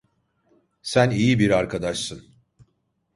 Sen iyi bir arkadaşsın.